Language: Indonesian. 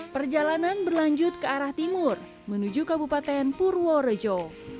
perjalanan berlanjut ke arah timur menuju kabupaten purworejo